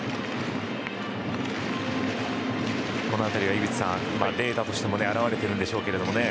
この辺り、井口さんデータとしても表れているでしょうけどね。